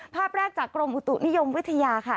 ภาพแรกจากกรมอุตุนิยมวิทยาค่ะ